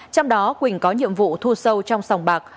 trong đó quỳnh có nhiệm vụ thu sâu trong sòng bạc